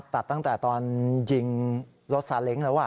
ตัดตั้งแต่ตอนยิงรถซาเล้งแล้ว